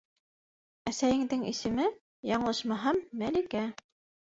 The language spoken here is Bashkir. Әсәйендең исеме, яңылышмаһам, Мәликә.